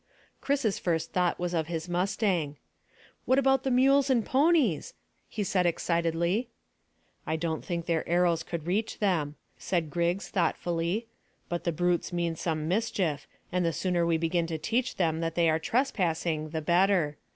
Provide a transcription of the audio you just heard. Chris's first thought was of his mustang. "What about the mules and ponies?" he said excitedly. "I don't think their arrows could reach them," said Griggs thoughtfully; "but the brutes mean some mischief, and the sooner we begin to teach them that they are trespassing the better.